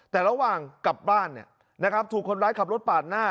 แต่ระหว่างกลับบ้านถูกคนร้ายขับรถปาดหน้า